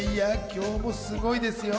今日もすごいですよ。